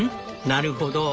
なるほど。